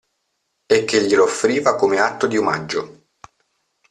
E che glielo offriva come atto di omaggio.